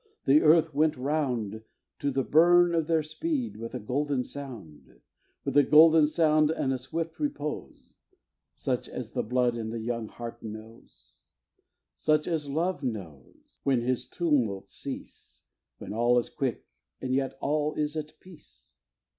the earth went round To the burn of their speed with a golden sound; With a golden sound, and a swift repose, Such as the blood in the young heart knows; Such as Love knows, when his tumults cease; When all is quick, and yet all is at peace.